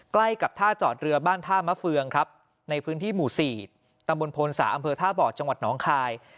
ใกล้กับท่าจอดเรือบ้านท่ามะเฟืองครับในพื้นที่หมู่๔ตำบลโพนสาอำเภอท่าบ่อจังหวัดน้องคาย